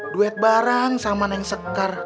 duet barang sama nang sekar